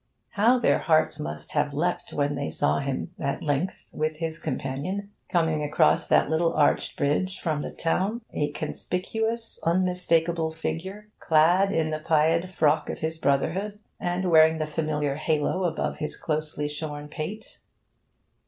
How their hearts must have leapt when they saw him, at length, with his companion, coming across that little arched bridge from the town a conspicuous, unmistakable figure, clad in the pied frock of his brotherhood and wearing the familiar halo above his closely shorn pate.